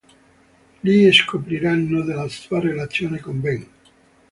Lì scopriranno della sua relazione con Ben.